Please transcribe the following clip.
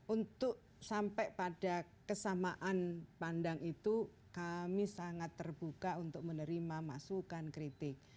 untuk sampai pada kesamaan pandang itu kami sangat terbuka untuk menerima masukan kritik